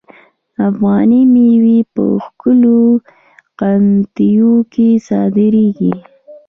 افغاني میوې په ښکلو قطیو کې صادریږي.